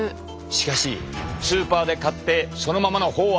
しかしスーパーで買ってそのままの方は。